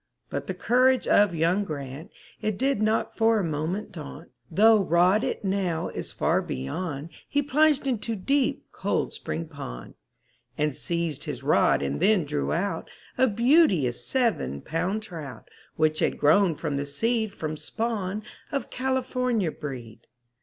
But the courage of young Grant, It did not for a moment daunt, Though rod it now is far beyond, He plunged into deep, cold spring pond. And seized his rod and then drew out A beauteous seven pound trout, Which had grown from the seed From spawn of California breed.